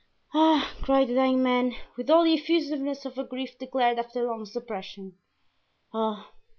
"Ah!" cried the dying man, with all the effusiveness of a grief declared after long suppression, "ah!